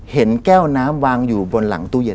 เห็นแก้วน้ำวางอยู่บนหลังตู้เย็น